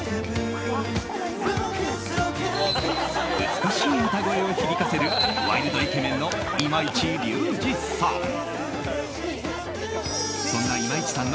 美しい歌声を響かせるワイルドイケメンの今市隆二さん。